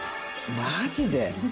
マジで？